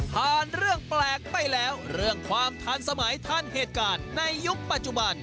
ผ่านเรื่องแปลกไปแล้วเรื่องความทันสมัยทันเหตุการณ์ในยุคปัจจุบัน